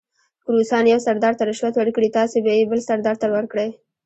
که روسان یو سردار ته رشوت ورکړي تاسې به یې بل سردار ته ورکړئ.